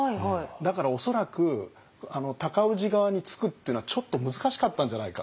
だから恐らく尊氏側につくっていうのはちょっと難しかったんじゃないか。